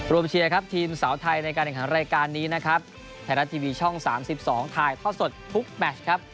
เชียร์ครับทีมสาวไทยในการแข่งขันรายการนี้นะครับไทยรัฐทีวีช่อง๓๒ถ่ายทอดสดทุกแมชครับ